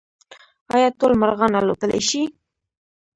ایا ټول مرغان الوتلی شي؟